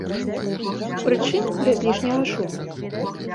Прычым, без лішняга шуму.